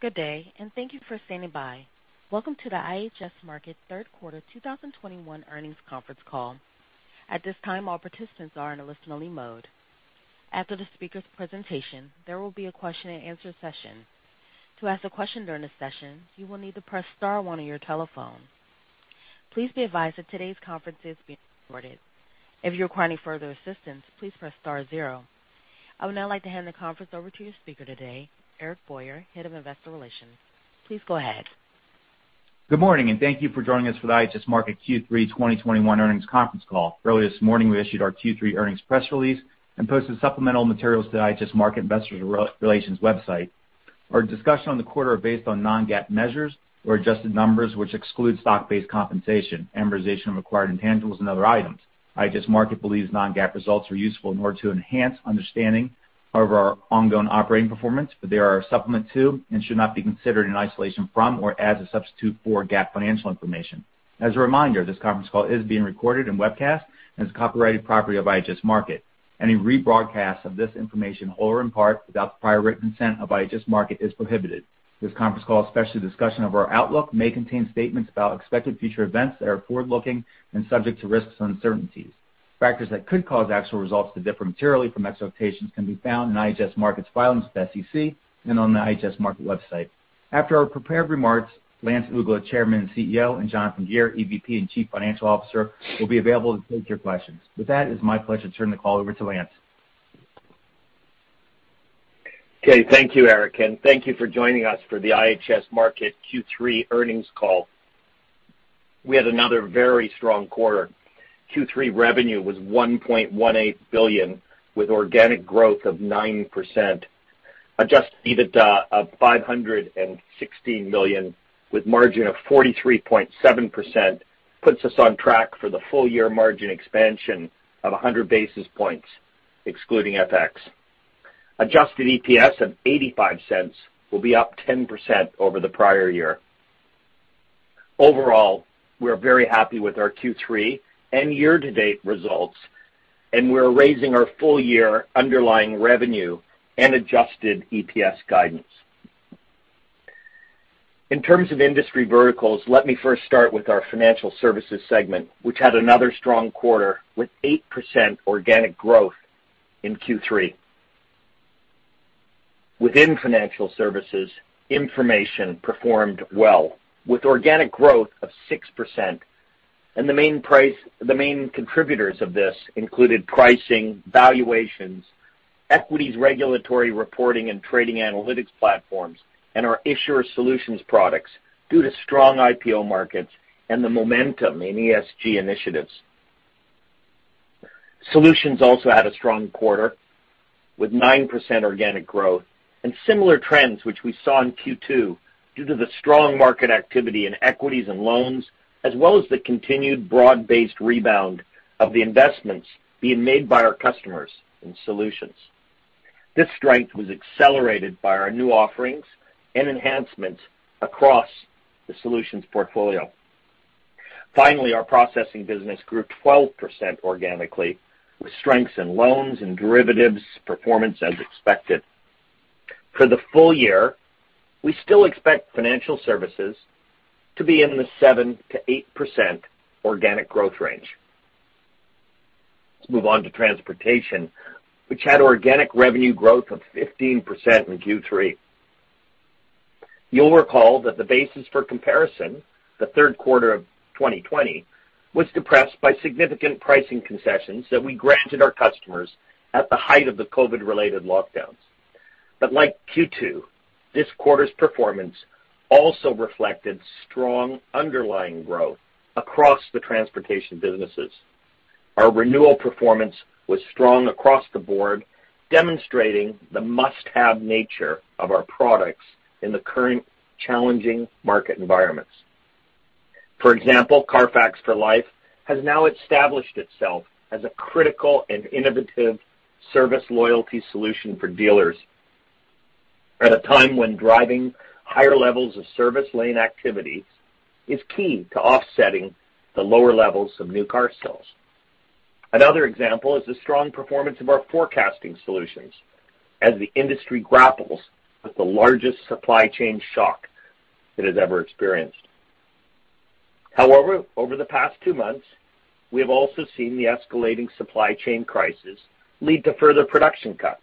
Good day, and thank you for standing by. Welcome to the IHS Markit third quarter 2021 earnings conference call. At this time, all participants are in a listen-only mode. After the speaker's presentation, there will be a question and answer session. To ask a question during the session, you will need to press star one on your telephone. Please be advised that today's conference is being recorded. If you require any further assistance, please press star zero. I would now like to hand the conference over to your speaker today, Eric Boyer, Head of Investor Relations. Please go ahead. Good morning, and thank you for joining us for the IHS Markit Q3 2021 earnings conference call. Earlier this morning, we issued our Q3 earnings press release and posted supplemental materials to the IHS Markit Investor Relations website. Our discussion on the quarter are based on non-GAAP measures or adjusted numbers which exclude stock-based compensation, amortization of acquired intangibles, and other items. IHS Markit believes non-GAAP results are useful in order to enhance understanding of our ongoing operating performance. They are a supplement to and should not be considered in isolation from or as a substitute for GAAP financial information. As a reminder, this conference call is being recorded and webcast and is copyrighted property of IHS Markit. Any rebroadcast of this information, whole or in part, without the prior written consent of IHS Markit is prohibited. This conference call, especially the discussion of our outlook, may contain statements about expected future events that are forward-looking and subject to risks and uncertainties. Factors that could cause actual results to differ materially from expectations can be found in IHS Markit's filings with the SEC and on the IHS Markit website. After our prepared remarks, Lance Uggla, Chairman and CEO, and Jonathan Gear, EVP and Chief Financial Officer, will be available to take your questions. With that, it is my pleasure to turn the call over to Lance. Okay. Thank you, Eric, and thank you for joining us for the IHS Markit Q3 earnings call. We had another very strong quarter. Q3 revenue was $1.18 billion with organic growth of 9%. Adjusted EBITDA of $516 million with margin of 43.7% puts us on track for the full year margin expansion of 100 basis points excluding FX. Adjusted EPS of $0.85 will be up 10% over the prior year. Overall, we are very happy with our Q3 and year-to-date results, and we're raising our full year underlying revenue and adjusted EPS guidance. In terms of industry verticals, let me first start with our financial services segment, which had another strong quarter with 8% organic growth in Q3. Within financial services, information performed well with organic growth of 6%. The main contributors of this included pricing, valuations, equities regulatory reporting and trading analytics platforms, and our issuer solutions products due to strong IPO markets and the momentum in ESG initiatives. Solutions also had a strong quarter with 9% organic growth and similar trends which we saw in Q2 due to the strong market activity in equities and loans, as well as the continued broad-based rebound of the investments being made by our customers in solutions. This strength was accelerated by our new offerings and enhancements across the solutions portfolio. Finally, our processing business grew 12% organically with strengths in loans and derivatives performance as expected. For the full year, we still expect financial services to be in the 7%-8% organic growth range. Let's move on to transportation, which had organic revenue growth of 15% in Q3. You'll recall that the basis for comparison, the third quarter of 2020, was depressed by significant pricing concessions that we granted our customers at the height of the COVID-related lockdowns. Like Q2, this quarter's performance also reflected strong underlying growth across the transportation businesses. Our renewal performance was strong across the board, demonstrating the must-have nature of our products in the current challenging market environments. For example, CARFAX for Life has now established itself as a critical and innovative service loyalty solution for dealers at a time when driving higher levels of service lane activity is key to offsetting the lower levels of new car sales. Another example is the strong performance of our forecasting solutions as the industry grapples with the largest supply chain shock it has ever experienced. Over the past two months, we have also seen the escalating supply chain crisis lead to further production cuts.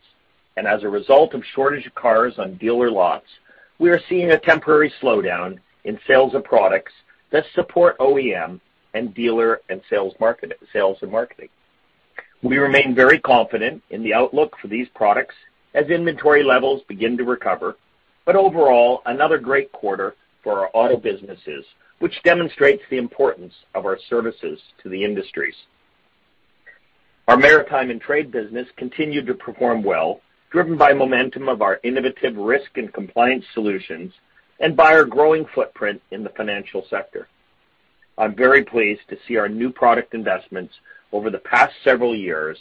As a result of shortage of cars on dealer lots, we are seeing a temporary slowdown in sales of products that support OEM and dealer and sales and marketing. We remain very confident in the outlook for these products as inventory levels begin to recover. Overall, another great quarter for our auto businesses, which demonstrates the importance of our services to the industries. Our maritime and trade business continued to perform well, driven by momentum of our innovative risk and compliance solutions and by our growing footprint in the financial sector. I'm very pleased to see our new product investments over the past several years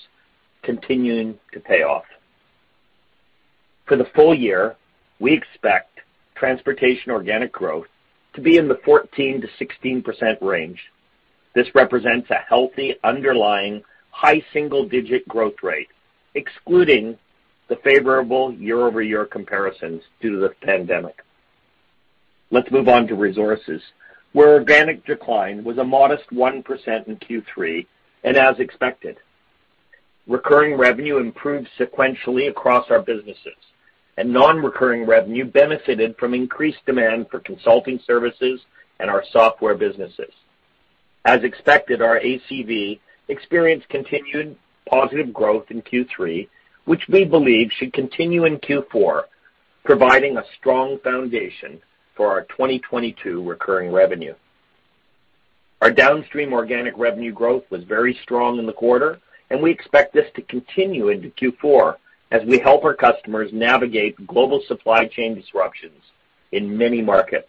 continuing to pay off. For the full year, we expect transportation organic growth to be in the 14%-16% range. This represents a healthy underlying high single-digit growth rate, excluding the favorable year-over-year comparisons due to the pandemic. Let's move on to resources, where organic decline was a modest 1% in Q3 and as expected. Recurring revenue improved sequentially across our businesses, and non-recurring revenue benefited from increased demand for consulting services and our software businesses. As expected, our ACV experienced continued positive growth in Q3, which we believe should continue in Q4, providing a strong foundation for our 2022 recurring revenue. Our downstream organic revenue growth was very strong in the quarter, and we expect this to continue into Q4 as we help our customers navigate global supply chain disruptions in many markets.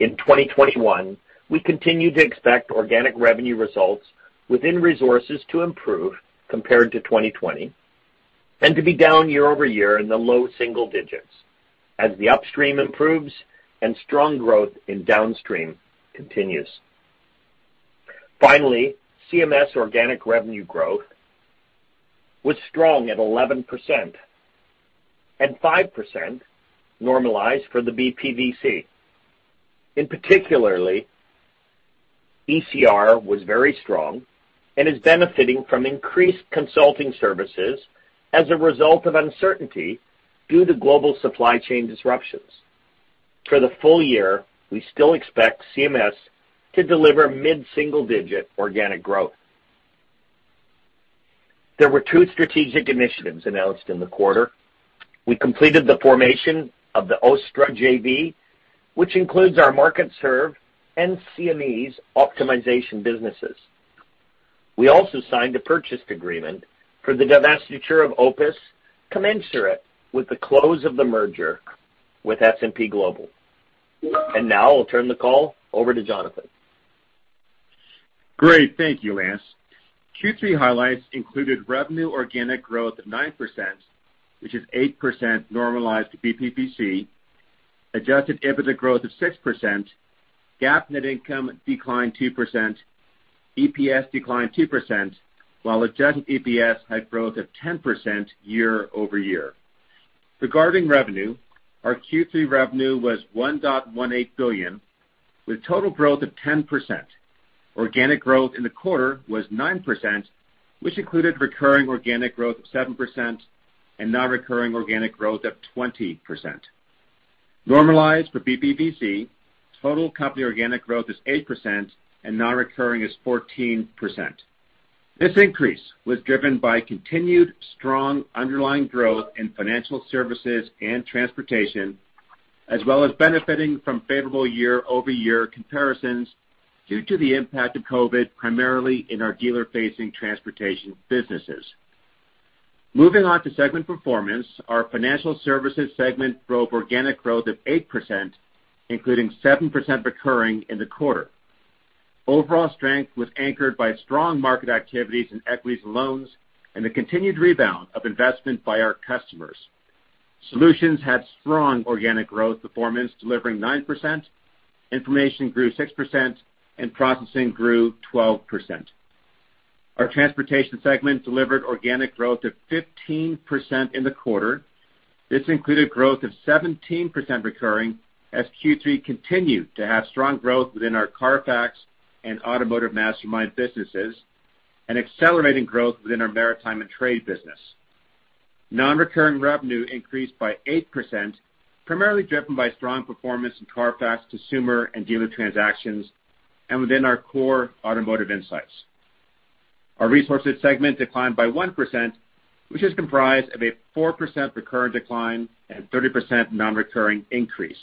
In 2021, we continue to expect organic revenue results within resources to improve compared to 2020 and to be down year-over-year in the low single digits as the upstream improves and strong growth in downstream continues. Finally, CMS organic revenue growth was strong at 11%, and 5% normalized for the BPVC. In particular, ECR was very strong and is benefiting from increased consulting services as a result of uncertainty due to global supply chain disruptions. For the full year, we still expect CMS to deliver mid-single-digit organic growth. There were two strategic initiatives announced in the quarter. We completed the formation of the OSTTRA JV, which includes our MarkitSERV and CME's optimization businesses. We also signed a purchase agreement for the divestiture of OPIS commensurate with the close of the merger with S&P Global. Now I'll turn the call over to Jonathan. Great. Thank you, Lance. Q3 highlights included revenue organic growth of 9%, which is 8% normalized BPVC, adjusted EBITDA growth of 6%, GAAP net income declined 2%, EPS declined 2%, while adjusted EPS had growth of 10% year-over-year. Regarding revenue, our Q3 revenue was $1.18 billion, with total growth of 10%. Organic growth in the quarter was 9%, which included recurring organic growth of 7% and non-recurring organic growth of 20%. Normalized for BPVC, total company organic growth is 8% and non-recurring is 14%. This increase was driven by continued strong underlying growth in financial services and transportation, as well as benefiting from favorable year-over-year comparisons due to the impact of COVID, primarily in our dealer-facing transportation businesses. Moving on to segment performance, our financial services segment drove organic growth of 8%, including 7% recurring in the quarter. Overall strength was anchored by strong market activities in equities and loans and the continued rebound of investment by our customers. Solutions had strong organic growth performance, delivering 9%. Information grew 6%, and processing grew 12%. Our transportation segment delivered organic growth of 15% in the quarter. This included growth of 17% recurring as Q3 continued to have strong growth within our CARFAX and automotiveMastermind businesses and accelerating growth within our maritime and trade business. Non-recurring revenue increased by 8%, primarily driven by strong performance in CARFAX consumer and dealer transactions and within our core automotive insights. Our resources segment declined by 1%, which is comprised of a 4% recurring decline and 30% non-recurring increase.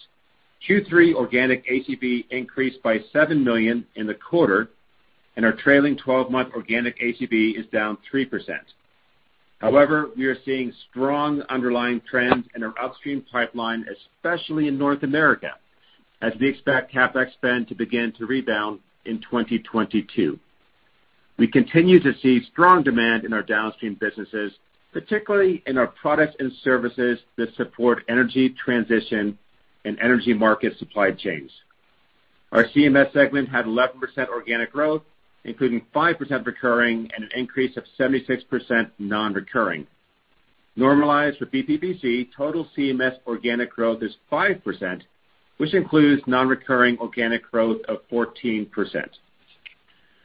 Q3 organic ACV increased by $7 million in the quarter, and our trailing 12-month organic ACV is down 3%. However, we are seeing strong underlying trends in our upstream pipeline, especially in North America, as we expect CapEx spend to begin to rebound in 2022. We continue to see strong demand in our downstream businesses, particularly in our products and services that support energy transition and energy market supply chains. Our CMS segment had 11% organic growth, including 5% recurring and an increase of 76% non-recurring. Normalized for BPVC, total CMS organic growth is 5%, which includes non-recurring organic growth of 14%.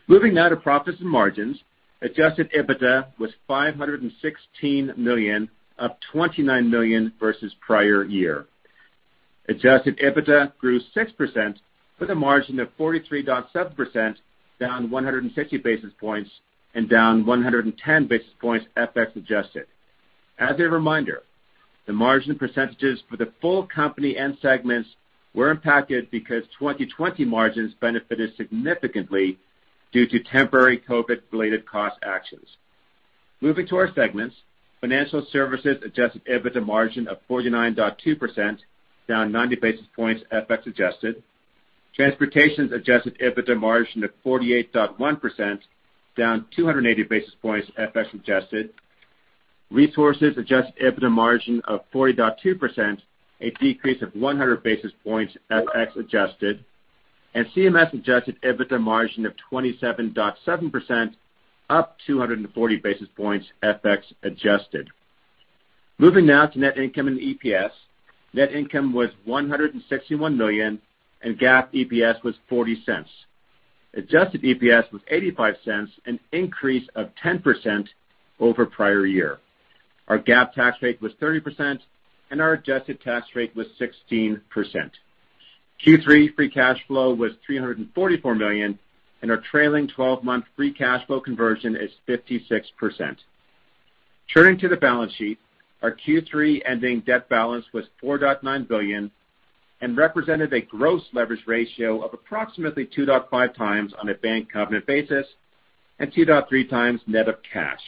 Moving now to profits and margins, adjusted EBITDA was $516 million, up $29 million versus prior year. Adjusted EBITDA grew 6% with a margin of 43.7%, down 160 basis points and down 110 basis points FX adjusted. As a reminder, the margin percentages for the full company and segments were impacted because 2020 margins benefited significantly due to temporary COVID-related cost actions. Moving to our segments. Financial services adjusted EBITDA margin of 49.2%, down 90 basis points FX adjusted. Transportation's adjusted EBITDA margin of 48.1%, down 280 basis points FX adjusted. Resources adjusted EBITDA margin of 40.2%, a decrease of 100 basis points FX adjusted, and CMS adjusted EBITDA margin of 27.7%, up 240 basis points FX adjusted. Moving now to net income and EPS. Net income was $161 million and GAAP EPS was $0.40. Adjusted EPS was $0.85, an increase of 10% over prior year. Our GAAP tax rate was 30%, and our adjusted tax rate was 16%. Q3 free cash flow was $344 million, and our trailing 12-month free cash flow conversion is 56%. Turning to the balance sheet, our Q3 ending debt balance was $4.9 billion and represented a gross leverage ratio of approximately 2.5 times on a bank covenant basis and 2.3 times net of cash.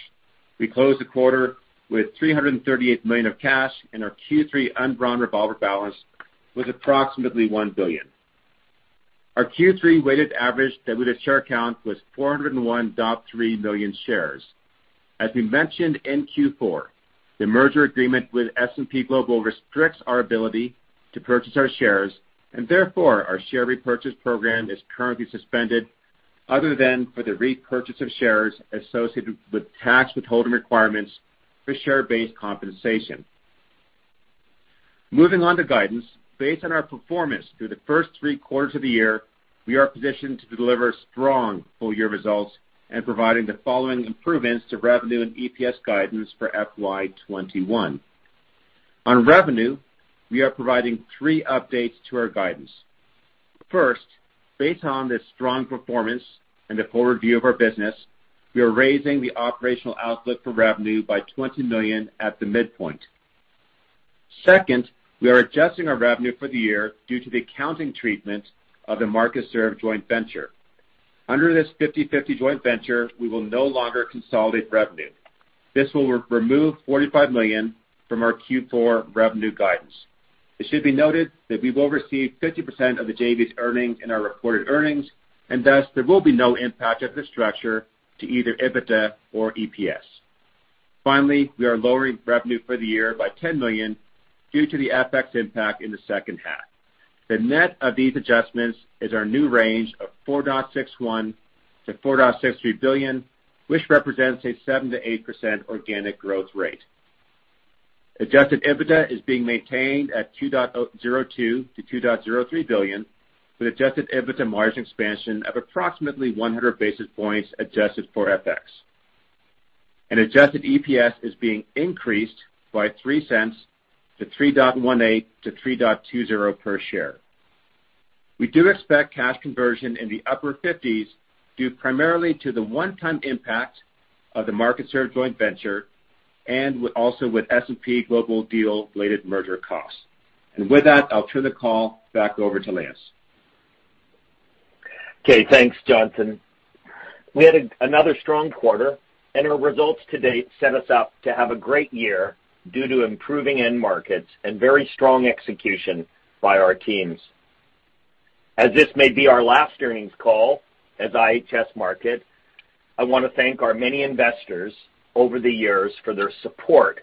We closed the quarter with $338 million of cash, and our Q3 undrawn revolver balance was approximately $1 billion. Our Q3 weighted average diluted share count was 401.3 million shares. As we mentioned in Q4, the merger agreement with S&P Global restricts our ability to purchase our shares, and therefore, our share repurchase program is currently suspended other than for the repurchase of shares associated with tax withholding requirements for share-based compensation. Moving on to guidance. Based on our performance through the first three quarters of the year, we are positioned to deliver strong full-year results and providing the following improvements to revenue and EPS guidance for FY 2021. On revenue, we are providing three updates to our guidance. First, based on the strong performance and the forward view of our business, we are raising the operational outlook for revenue by $20 million at the midpoint. Second, we are adjusting our revenue for the year due to the accounting treatment of the MarkitSERV joint venture. Under this 50/50 joint venture, we will no longer consolidate revenue. This will remove $45 million from our Q4 revenue guidance. It should be noted that we will receive 50% of the JV's earnings in our reported earnings, and thus, there will be no impact of this structure to either EBITDA or EPS. We are lowering revenue for the year by $10 million due to the FX impact in the second half. The net of these adjustments is our new range of $4.61 billion-$4.63 billion, which represents a 7%-8% organic growth rate. Adjusted EBITDA is being maintained at $2.02 billion-$2.03 billion, with adjusted EBITDA margin expansion of approximately 100 basis points adjusted for FX. Adjusted EPS is being increased by $0.03 to $3.18-$3.20 per share. We do expect cash conversion in the upper 50s% due primarily to the one-time impact of the MarkitSERV joint venture and also with S&P Global deal-related merger costs. With that, I'll turn the call back over to Lance. Okay, thanks, Jonathan Gear. We had another strong quarter. Our results to date set us up to have a great year due to improving end markets and very strong execution by our teams. As this may be our last earnings call as IHS Markit, I want to thank our many investors over the years for their support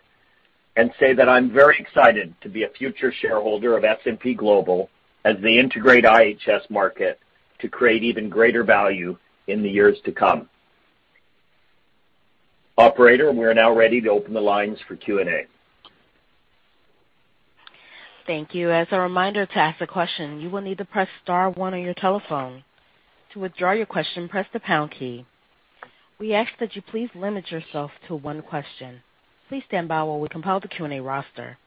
and say that I'm very excited to be a future shareholder of S&P Global as they integrate IHS Markit to create even greater value in the years to come. Operator, we are now ready to open the lines for Q&A. Thank you. As a reminder, to ask a question, you will need to press star one on your telephone. To withdraw your question, press the pound key. We ask that you please limit yourself to one question. Please stand by while we compile the Q&A roster.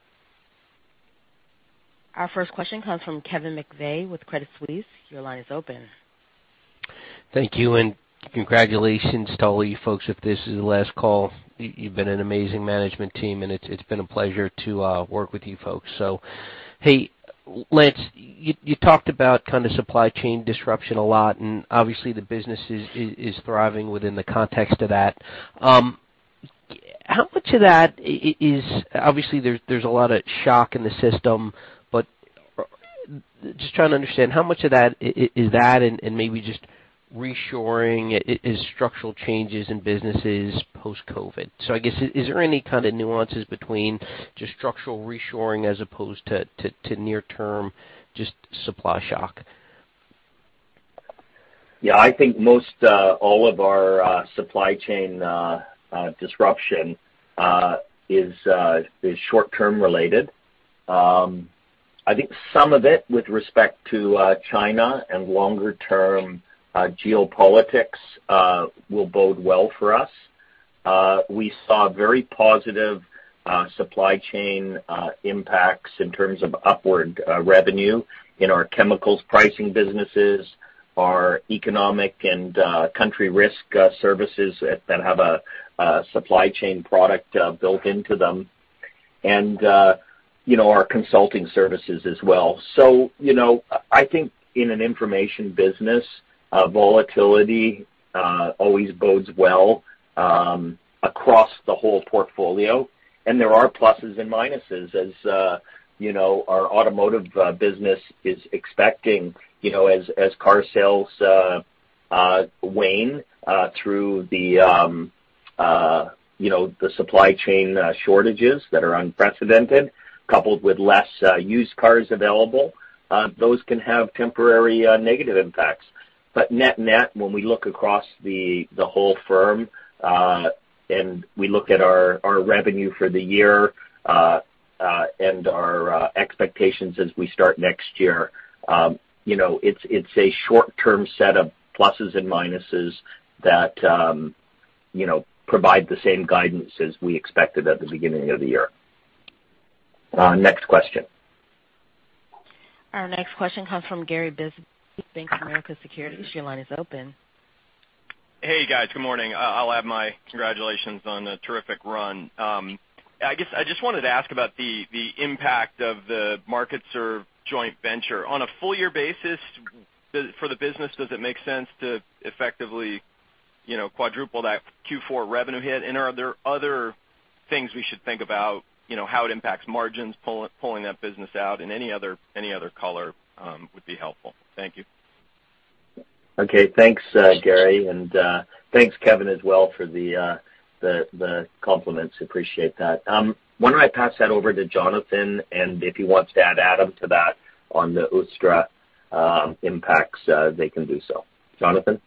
Our first question comes from Kevin McVeigh with Credit Suisse. Your line is open. Thank you. Congratulations to all you folks if this is the last call. You've been an amazing management team, and it's been a pleasure to work with you folks. Hey, Lance, you talked about kind of supply chain disruption a lot, and obviously the business is thriving within the context of that. How much of that is Obviously, there's a lot of shock in the system, but just trying to understand how much of that is that and maybe just reshoring is structural changes in businesses post-COVID? I guess, is there any kind of nuances between just structural reshoring as opposed to near-term just supply shock? Yeah. I think most all of our supply chain disruption is short-term related. I think some of it with respect to China and longer-term geopolitics will bode well for us. We saw very positive supply chain impacts in terms of upward revenue in our chemicals pricing businesses, our economic and country risk services that have a supply chain product built into them, and our consulting services as well. I think in an information business, volatility always bodes well across the whole portfolio. There are pluses and minuses. As our automotive business is expecting as car sales wane through the supply chain shortages that are unprecedented, coupled with less used cars available. Those can have temporary negative impacts. Net net, when we look across the whole firm, and we look at our revenue for the year, and our expectations as we start next year, it's a short-term set of pluses and minuses that provide the same guidance as we expected at the beginning of the year. Next question. Our next question comes from Gary Bisbee, Bank of America Securities. Your line is open. Hey, guys. Good morning. I'll add my congratulations on a terrific run. I just wanted to ask about the impact of the MarkitSERV joint venture. On a full year basis for the business, does it make sense to effectively quadruple that Q4 revenue hit? Are there other things we should think about, how it impacts margins pulling that business out, and any other color would be helpful. Thank you. Okay. Thanks, Gary, and thanks Kevin as well for the compliments. Appreciate that. Why don't I pass that over to Jonathan and if he wants to add Adam to that on the OSTTRA impacts, they can do so. Jonathan?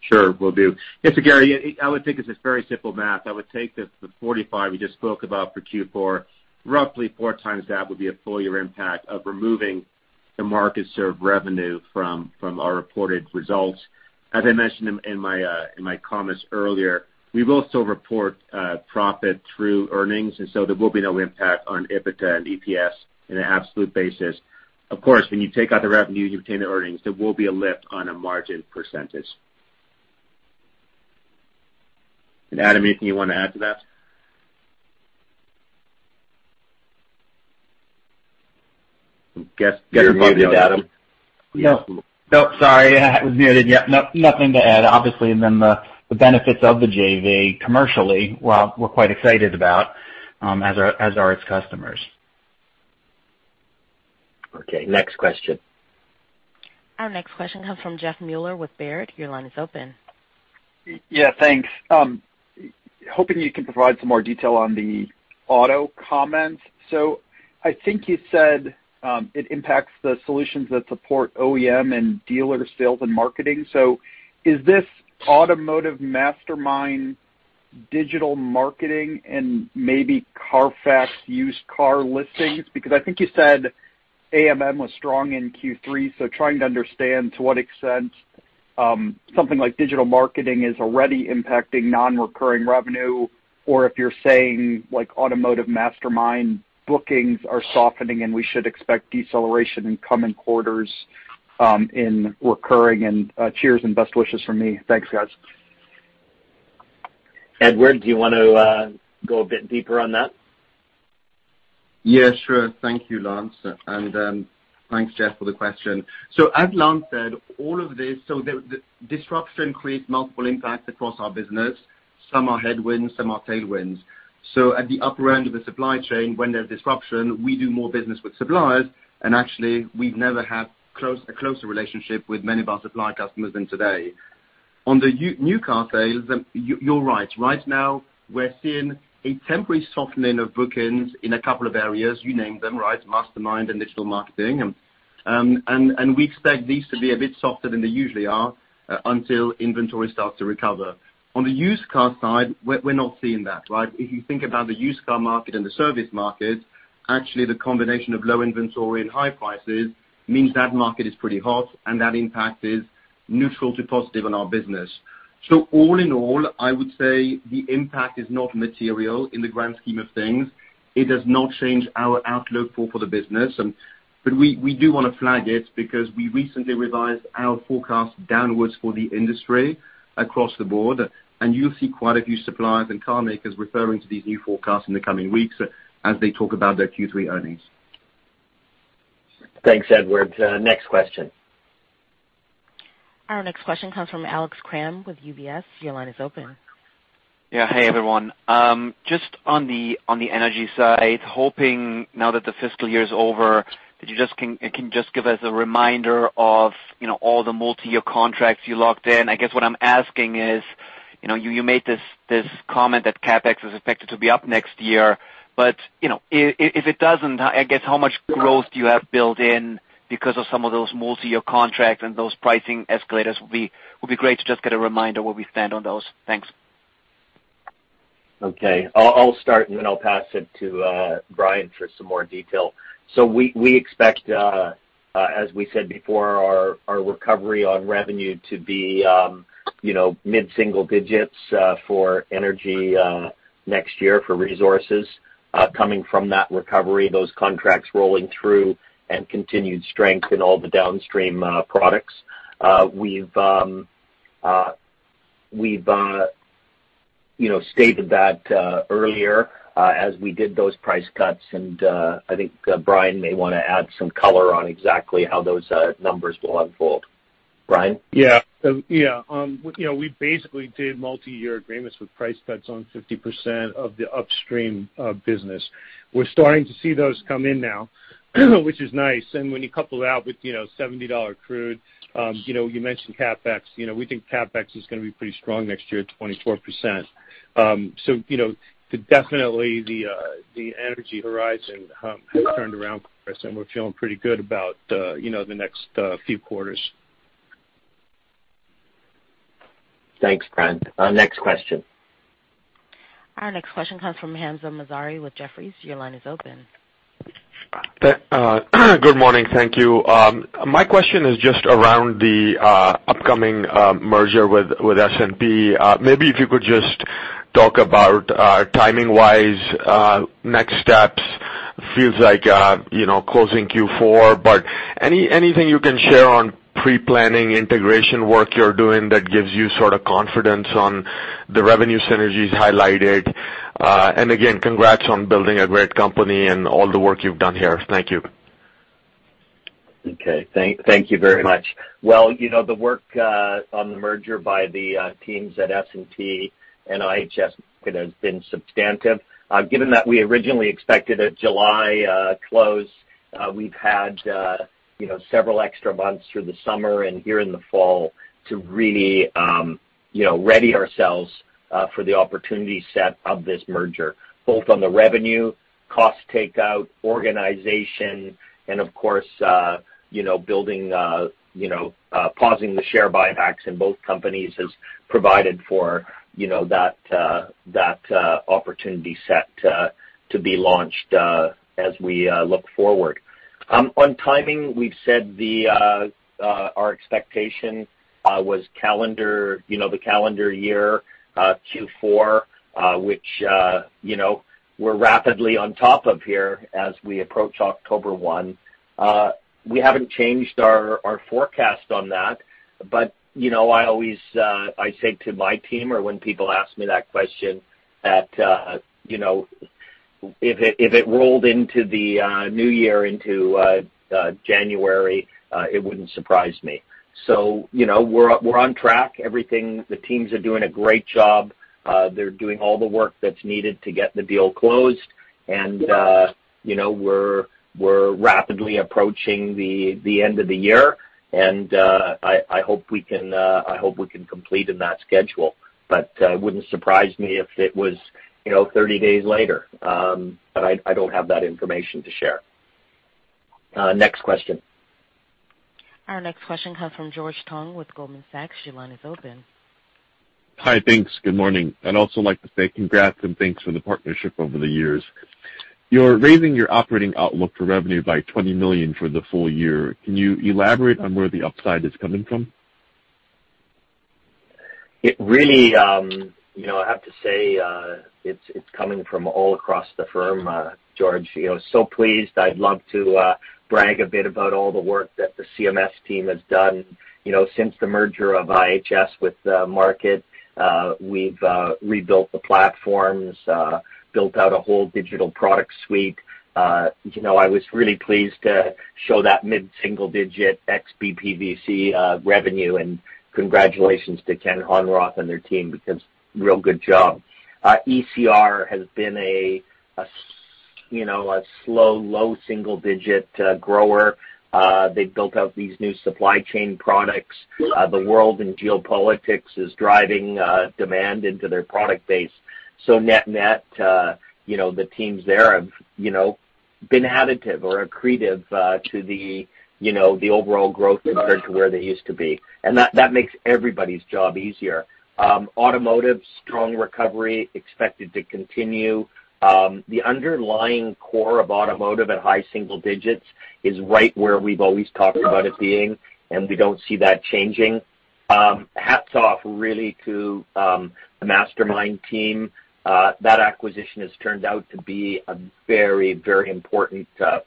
Sure, will do. Gary, I would think it's a very simple math. I would take the $45 we just spoke about for Q4, roughly four times that would be a full-year impact of removing the MarkitSERV revenue from our reported results. As I mentioned in my comments earlier, we will still report profit through earnings, there will be no impact on EBITDA and EPS in an absolute basis. Of course, when you take out the revenue, you retain the earnings, there will be a lift on a margin percentage. Adam, anything you want to add to that? Guess you're muted, Adam. No, sorry. I was muted. Yep. No, nothing to add. Obviously, and then the benefits of the JV commercially, we're quite excited about, as are its customers. Okay. Next question. Our next question comes from Jeff Meuler with Baird. Your line is open. Yeah, thanks. Hoping you can provide some more detail on the auto comments. I think you said it impacts the solutions that support OEM and dealer sales and marketing. Is this automotiveMastermind digital marketing and maybe CARFAX used car listings? I think you said AMM was strong in Q3, so trying to understand to what extent something like digital marketing is already impacting non-recurring revenue, or if you're saying like automotiveMastermind bookings are softening and we should expect deceleration in coming quarters in recurring. Cheers and best wishes from me. Thanks, guys. Edouard, do you want to go a bit deeper on that? Yeah, sure. Thank you, Lance. Thanks Jeff for the question. As Lance said, all of this, the disruption creates multiple impacts across our business. Some are headwinds, some are tailwinds. At the upper end of the supply chain, when there's disruption, we do more business with suppliers, and actually we've never had a closer relationship with many of our supply customers than today. On the new car sales, you're right. Right now we're seeing a temporary softening of bookings in a couple of areas. You named them, right? automotiveMastermind and digital marketing. We expect these to be a bit softer than they usually are until inventory starts to recover. On the used car side, we're not seeing that, right? If you think about the used car market and the service market, actually the combination of low inventory and high prices means that market is pretty hot and that impact is neutral to positive on our business. All in all, I would say the impact is not material in the grand scheme of things. It does not change our outlook for the business. We do want to flag it because we recently revised our forecast downwards for the industry across the board, and you'll see quite a few suppliers and car makers referring to these new forecasts in the coming weeks as they talk about their Q3 earnings. Thanks, Edouard. Next question. Our next question comes from Alex Kramm with UBS. Your line is open. Yeah. Hey, everyone. Just on the energy side, hoping now that the fiscal year is over, that you can just give us a reminder of all the multi-year contracts you locked in. I guess what I'm asking is, you made this comment that CapEx is expected to be up next year, but if it doesn't, I guess how much growth do you have built in because of some of those multi-year contracts and those pricing escalators? Would be great to just get a reminder where we stand on those. Thanks. Okay. I'll start and then I'll pass it to Brian for some more detail. We expect, as we said before, our recovery on revenue to be mid-single digits for energy next year for resources coming from that recovery, those contracts rolling through and continued strength in all the downstream products. We've stated that earlier as we did those price cuts and I think Brian may want to add some color on exactly how those numbers will unfold. Yeah. We basically did multiyear agreements with price sets on 50% of the upstream business. We're starting to see those come in now, which is nice. When you couple it out with $70 crude, you mentioned CapEx. We think CapEx is going to be pretty strong next year at 24%. Definitely the energy horizon has turned around for us, and we're feeling pretty good about the next few quarters. Thanks, Brian. Next question. Our next question comes from Hamza Mazari with Jefferies. Your line is open. Good morning. Thank you. My question is just around the upcoming merger with S&P. Maybe if you could just talk about timing-wise next steps. Feels like closing Q4, but anything you can share on pre-planning integration work you're doing that gives you sort of confidence on the revenue synergies highlighted? Again, congrats on building a great company and all the work you've done here. Thank you. Okay. Thank you very much. Well, the work on the merger by the teams at S&P and IHS Markit has been substantive. Given that we originally expected a July close, we've had several extra months through the summer and here in the fall to really ready ourselves for the opportunity set of this merger, both on the revenue, cost takeout, organization, and of course pausing the share buybacks in both companies has provided for that opportunity set to be launched as we look forward. On timing, we've said our expectation was the calendar year Q4, which we're rapidly on top of here as we approach October 1. We haven't changed our forecast on that. I say to my team, or when people ask me that question, that if it rolled into the new year into January, it wouldn't surprise me. We're on track. The teams are doing a great job. They're doing all the work that's needed to get the deal closed. We're rapidly approaching the end of the year, and I hope we can complete in that schedule. It wouldn't surprise me if it was 30 days later. I don't have that information to share. Next question. Our next question comes from George Tong with Goldman Sachs. Your line is open. Hi. Thanks. Good morning. I'd also like to say congrats and thanks for the partnership over the years. You're raising your operating outlook for revenue by $20 million for the full year. Can you elaborate on where the upside is coming from? I have to say, it's coming from all across the firm, George. Pleased. I'd love to brag a bit about all the work that the CMS team has done since the merger of IHS with Markit. We've rebuilt the platforms, built out a whole digital product suite. I was really pleased to show that mid-single-digit ex-BPVC revenue, and congratulations to Ken and his team because real good job. ECR has been a slow, low single-digit grower. They've built out these new supply chain products. The world and geopolitics is driving demand into their product base. Net-net, the teams there have been additive or accretive to the overall growth compared to where they used to be, and that makes everybody's job easier. Automotive, strong recovery expected to continue. The underlying core of automotive at high single digits is right where we've always talked about it being, and we don't see that changing. Hats off really to the automotiveMastermind team. That acquisition has turned out to be a very important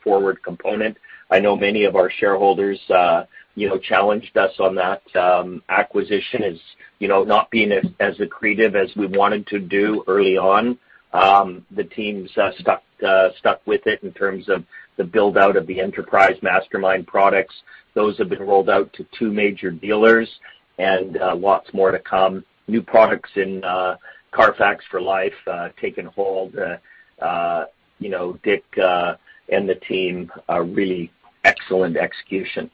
forward component. I know many of our shareholders challenged us on that acquisition as not being as accretive as we wanted to do early on. The teams stuck with it in terms of the build-out of the enterprise automotiveMastermind products. Those have been rolled out to two major dealers and lots more to come. New products in CARFAX for Life taken hold. Dick and the team are really excellent execution.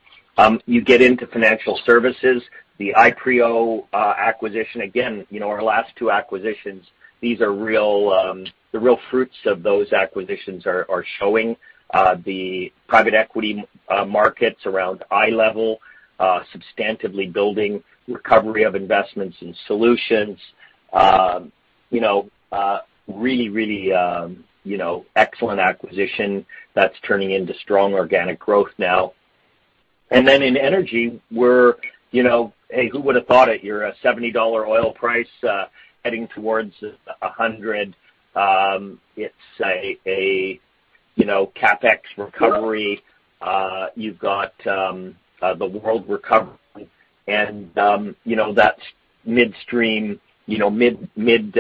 You get into financial services, the Ipreo acquisition. Again, our last two acquisitions, the real fruits of those acquisitions are showing. The private equity markets around iLEVEL substantively building recovery of investments in solutions. Really excellent acquisition that's turning into strong organic growth now. In energy, hey, who would've thought it? You're a $70 oil price heading towards $100. It's a CapEx recovery. You've got the world recovering and that midstream, mid...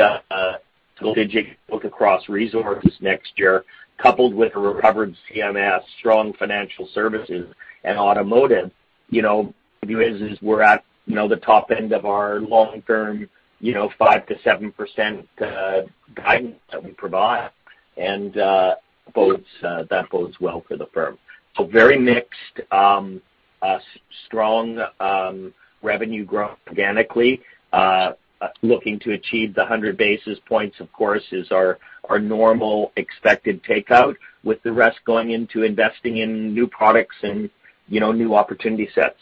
So as you look across resources next year, coupled with a recovered CMS, strong financial services and automotive. The view is we're at the top end of our long-term 5%-7% guidance that we provide. That bodes well for the firm. Very mixed, strong revenue growth organically, looking to achieve the 100 basis points, of course, is our normal expected takeout, with the rest going into investing in new products and new opportunity sets.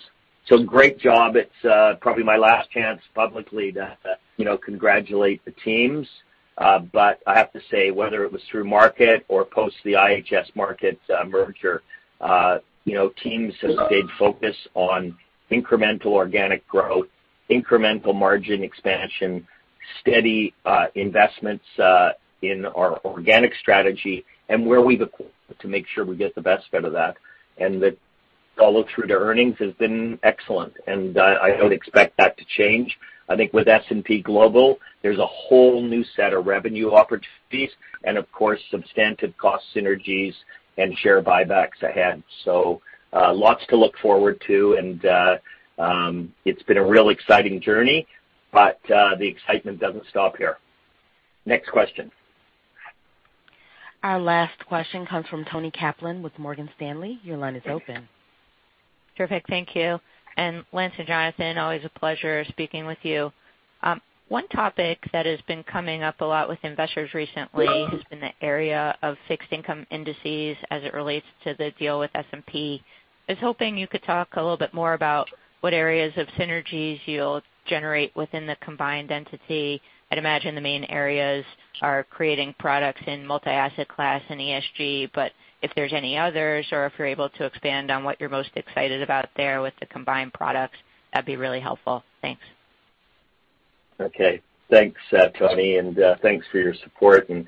Great job. It's probably my last chance publicly to congratulate the teams. I have to say, whether it was through Markit or post the IHS Markit merger, teams have stayed focused on incremental organic growth, incremental margin expansion, steady investments in our organic strategy, and where we go to make sure we get the best out of that. The follow-through to earnings has been excellent, and I don't expect that to change. I think with S&P Global, there's a whole new set of revenue opportunities and, of course, substantive cost synergies and share buybacks ahead. Lots to look forward to, and it's been a real exciting journey, but the excitement doesn't stop here. Next question. Our last question comes from Toni Kaplan with Morgan Stanley. Your line is open. Perfect. Thank you. Lance and Jonathan, always a pleasure speaking with you. One topic that has been coming up a lot with investors recently has been the area of fixed income indices as it relates to the deal with S&P. I was hoping you could talk a little bit more about what areas of synergies you'll generate within the combined entity. I'd imagine the main areas are creating products in multi-asset class and ESG, if there's any others or if you're able to expand on what you're most excited about there with the combined products, that'd be really helpful. Thanks. Okay. Thanks, Toni, and thanks for your support, and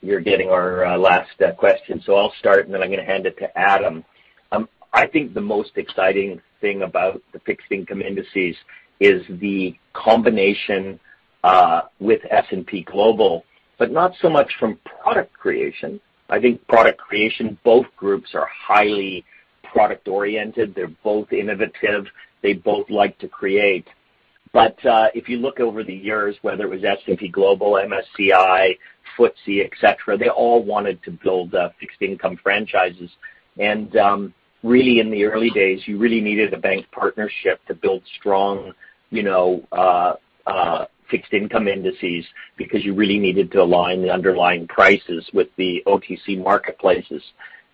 you're getting our last question. I'll start, and then I'm going to hand it to Adam. I think the most exciting thing about the fixed income indices is the combination with S&P Global, but not so much from product creation. I think product creation, both groups are highly product-oriented. They're both innovative. They both like to create. If you look over the years, whether it was S&P Global, MSCI, FTSE, et cetera, they all wanted to build fixed income franchises. Really, in the early days, you really needed a bank partnership to build strong fixed income indices because you really needed to align the underlying prices with the OTC marketplaces.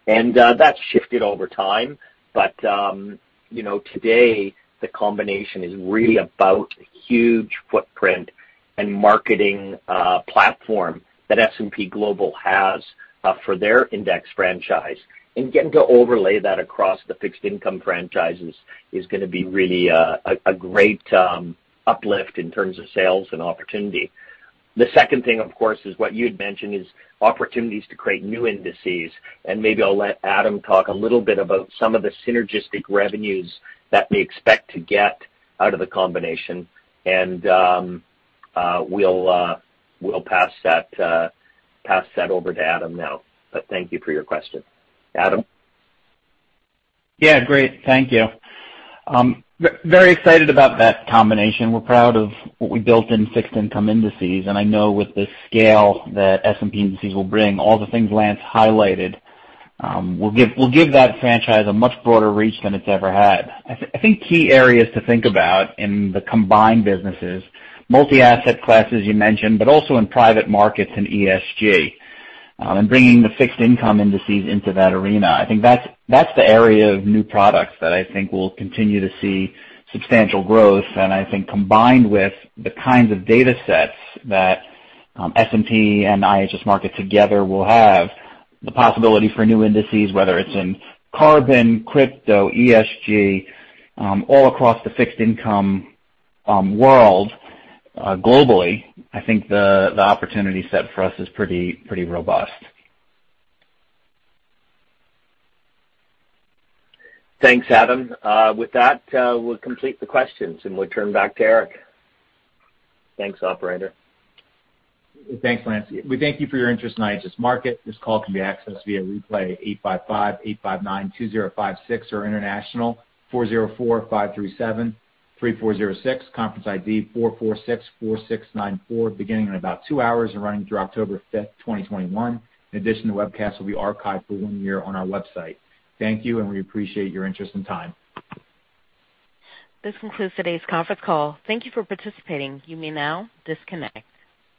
That's shifted over time. Today, the combination is really about huge footprint and marketing platform that S&P Global has for their index franchise, and getting to overlay that across the fixed income franchises is going to be really a great uplift in terms of sales and opportunity. The second thing, of course, is what you'd mentioned is opportunities to create new indices, and maybe I'll let Adam talk a little bit about some of the synergistic revenues that we expect to get out of the combination, and we'll pass that over to Adam now. Thank you for your question. Adam? Yeah, great. Thank you. Very excited about that combination. We're proud of what we built in fixed income indices. I know with the scale that S&P indices will bring, all the things Lance highlighted will give that franchise a much broader reach than it's ever had. I think key areas to think about in the combined businesses, multi-asset classes you mentioned. Also in private markets and ESG. Bringing the fixed income indices into that arena. I think that's the area of new products that I think we'll continue to see substantial growth. I think combined with the kinds of data sets that S&P and IHS Markit together will have, the possibility for new indices, whether it's in carbon, crypto, ESG, all across the fixed income world globally, I think the opportunity set for us is pretty robust. Thanks, Adam. With that, we'll complete the questions, and we'll turn back to Eric. Thanks, operator. Thanks, Lance. We thank you for your interest in IHS Markit. This call can be accessed via replay 855-859-2056 or international, 404-537-3406, conference ID 4464694, beginning in about two hours and running through October 5th, 2021. In addition, the webcast will be archived for one year on our website. Thank you, and we appreciate your interest and time. This concludes today's conference call. Thank you for participating. You may now disconnect.